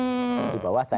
di bawah cair